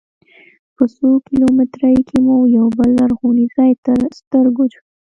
په څو کیلومترۍ کې مو یوه بل لرغونی ځاې تر سترګو سو.